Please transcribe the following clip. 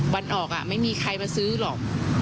วันออกไม่มีใครมาซื้อหรอก